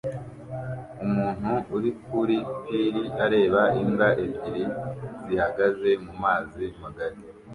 Umuntu uri kuri pir areba imbwa ebyiri zihagaze mumazi magari